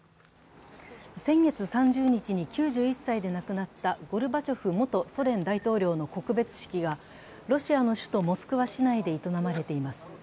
先月３０日に９１歳で亡くなったゴルバチョフ元ソ連大統領の告別式がロシアの首都モスクワ市内で営まれています。